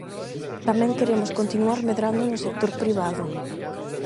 Tamén queremos continuar medrando no sector privado.